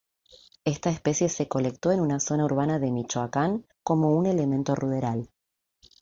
Esta especie se colectó en una zona urbana de Michoacán como un elemento ruderal.